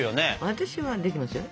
私はできますよ